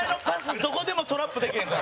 どこでもトラップできへんから。